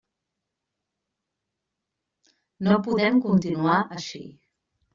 No podem continuar així.